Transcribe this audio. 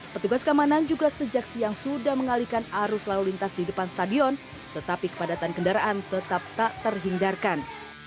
petugas keamanan juga sejak siang sudah mengalihkan arus lalu lintas di depan stadion tetapi kepadatan kendaraan tetap tak terhindarkan